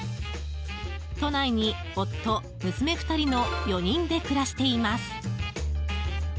都内に夫、娘２人の４人で暮らしています。